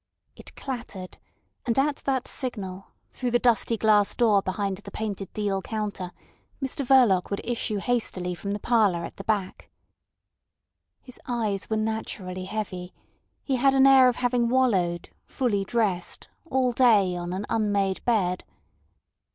It clattered; and at that signal, through the dusty glass door behind the painted deal counter, Mr Verloc would issue hastily from the parlour at the back. His eyes were naturally heavy; he had an air of having wallowed, fully dressed, all day on an unmade bed.